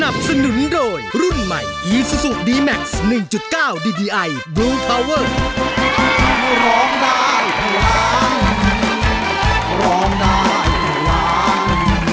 ร้องได้ให้ล้าน